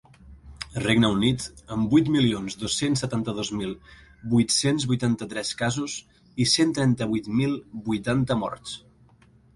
Regne Unit, amb vuit milions dos-cents setanta-dos mil vuit-cents vuitanta-tres casos i cent trenta-vuit mil vuitanta morts.